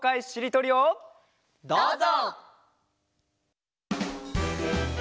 どうぞ！